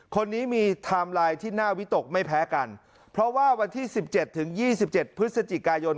คนนี้มีไทม์ไลน์ที่หน้าวิตกไม่แพ้กันเพราะว่าวันที่๑๗ถึง๒๗พฤศจิกายน